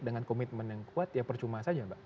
dengan komitmen yang kuat ya percuma saja mbak